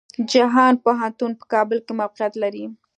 جهان پوهنتون په کابل کې موقيعت لري.